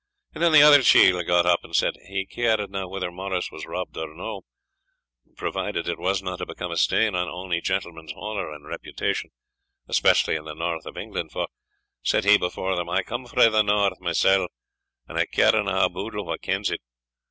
And then the other chield got up, and said, he caredna whether Morris was rubbed or no, provided it wasna to become a stain on ony gentleman's honour and reputation, especially in the north of England; for, said he before them, I come frae the north mysell, and I carena a boddle wha kens it.